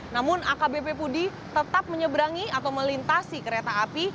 namun akbp budi tetap menyeberangi atau melintasi kereta api